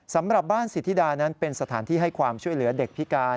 สำหรับบ้านสิทธิดานั้นเป็นสถานที่ให้ความช่วยเหลือเด็กพิการ